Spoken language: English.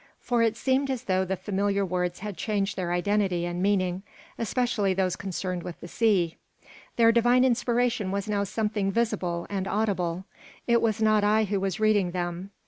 For it seemed as though the familiar words had changed their identity and meaning, especially those concerned with the sea. Their divine inspiration was now something visible and audible. It was not I who was reading them.